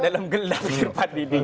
berdebat dalam gelap